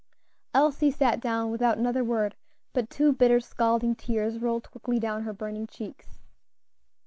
Elsie sat down without another word, but two bitter, scalding tears rolled quickly down her burning cheeks.